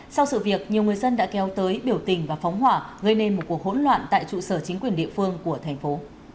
sau sự việc nhiều người dân đã kéo tới biểu tình và phóng hỏa gây nên một cuộc hỗn loạn tại trụ sở chính quyền địa phương của thành phố